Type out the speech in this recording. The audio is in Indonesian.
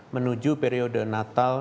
menuju periode natal